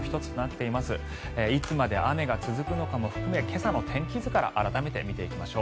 いつまで雨が続くのかも含めて今朝の天気図から改めて見ていきましょう。